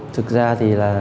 thực ra thì là